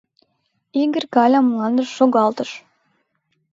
Игорь Галям мландыш шогалтыш.